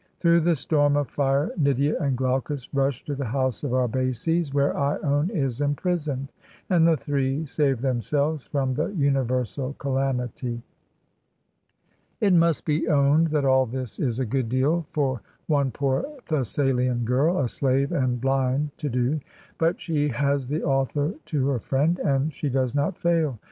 Through the storm of fire Nydia and Glaucus rush to the house of Arbaces where lone is imprisoned, and the three save themselves from the universal calamity. It must be owned that all this is a good deal for one poor Thessalian girl, a slave and blind, to do; but she has the author to her friend, and she does not fail.